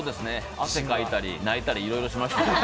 汗かいたり、泣いたりいろいろしました。